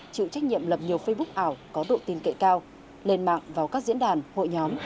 chịu trách nhiệm lập nhiều facebook ảo có độ tin cậy cao lên mạng vào các diễn đàn hội nhóm